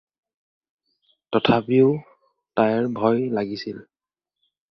তথাপিও তাইৰ ভয় লাগিছিল।